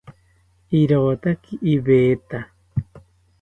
Irotaki iveta